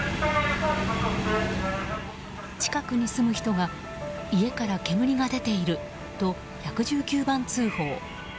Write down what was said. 近くに住む人が、家から煙が出ていると１１９番通報。